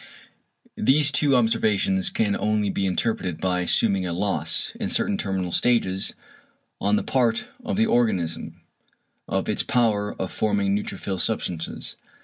These two observations can only be interpreted by assuming a loss, in certain terminal stages, on the part of the organism, of its power of forming neutrophil substances.